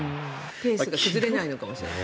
ペースが崩れないのかもしれない。